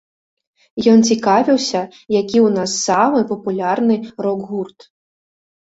Ён цікавіўся, які ў нас самы папулярны рок-гурт.